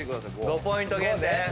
５ポイント減ね。